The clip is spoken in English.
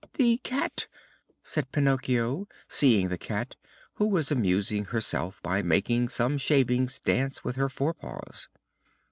"The cat," said Pinocchio, seeing the cat, who was amusing herself by making some shavings dance with her forepaws.